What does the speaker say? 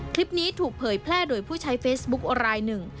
คลิปนี้ถูกเผยแพร่โดยผู้ใช้เฟซบุ๊คลายหนึ่ง